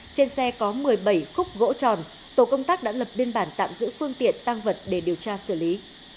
trên xe có một mươi bảy khúc gỗ tròn tổ công tác đã lập biên bản tạm giữ phương tiện tăng vật để điều tra xử lý